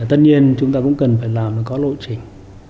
tất nhiên chúng ta cũng cần phải làm có lộ trình